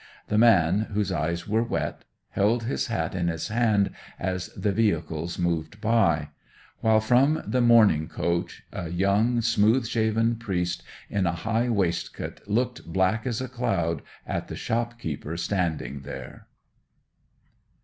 The man, whose eyes were wet, held his hat in his hand as the vehicles moved by; while from the mourning coach a young smooth shaven priest in a high waistcoat looked black as a cloud at the shop keeper standing there.